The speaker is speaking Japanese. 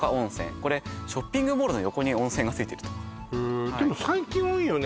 これショッピングモールの横に温泉がついているとへえでも最近多いよね